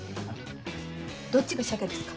どっちが鮭ですか？